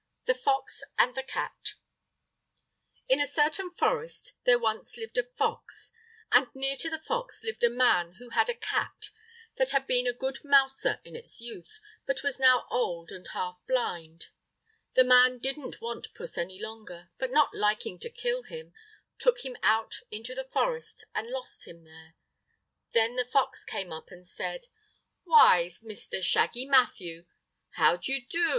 The Fox and the Cat In a certain forest there once lived a fox, and near to the fox lived a man who had a cat that had been a good mouser in its youth, but was now old and half blind. The man didn't want puss any longer, but not liking to kill him, took him out into the forest and lost him there. Then the fox came up and said: "Why, Mr. Shaggy Matthew! How d'ye do?